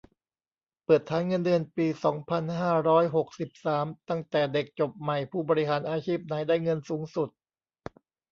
เปิดฐานเงินเดือนปี สองพันห้าร้อยหกสิบสาม ตั้งแต่เด็กจบใหม่ผู้บริหาร อาชีพไหนได้เงินสูงสุด